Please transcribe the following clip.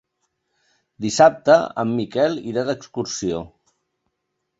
Dissabte en Miquel irà d'excursió.